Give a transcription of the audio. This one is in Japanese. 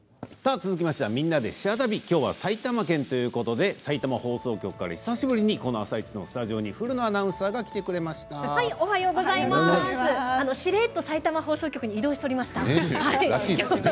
続いては「みんなでシェア旅」きょうは埼玉県ということでさいたま放送局から久しぶりに「あさイチ」のスタジオに、古野アナウンサーがしれっとさいたま放送局に異動しておりました。